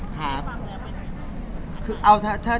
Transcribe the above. ดีพี่ค่ะคุณจะฟังออกมาไหนครับ